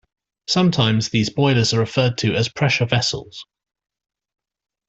Sometimes these boilers are referred to as pressure vessels.